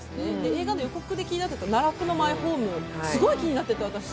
映画の予告で気になったのは「奈落のマイホーム」、すごい気になってて、私。